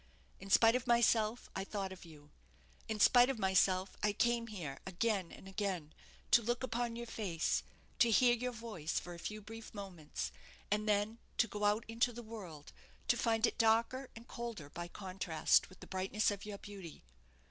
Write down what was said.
In spite of myself, I thought of you; in spite of myself I came here again and again, to look upon your face, to hear your voice, for a few brief moments, and then to go out into the world, to find it darker and colder by contrast with the brightness of your beauty.